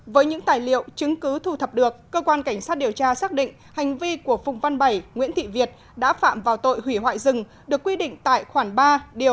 với những tài liệu chứng cứ thu thập được cơ quan cảnh sát điều tra xác định hành vi của phùng văn bảy nguyễn thị việt đã phạm vào tội hủy hoại rừng được quy định tại khoảng ba một trăm tám mươi chín bộ luật hình sự